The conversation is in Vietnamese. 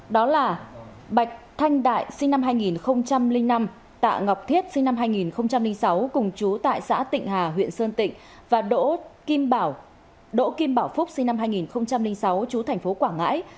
đó là bạch thanh đại sinh năm hai nghìn năm tạ ngọc thiết sinh năm hai nghìn sáu cùng chú tại xã tịnh hà huyện sơn tịnh và đỗ kim bảo đỗ kim bảo phúc sinh năm hai nghìn sáu chú thành phố quảng ngãi